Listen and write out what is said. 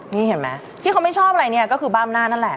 นี่เห็นไหมที่เขาไม่ชอบอะไรเนี่ยก็คือบ้ามหน้านั่นแหละ